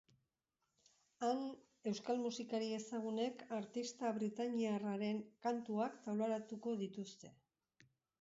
Han, euskal musikari ezagunek artista britainiarraren kantuak taularatuko dituzte.